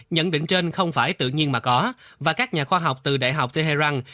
nhận định trên không phải tự nhiên mà có và các nhà khoa học từ đại học tehran